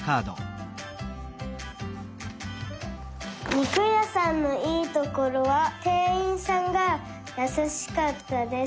にくやさんのいいところはてんいんさんがやさしかったです。